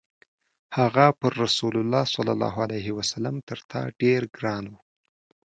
هغه پر رسول الله تر تا ډېر ګران و.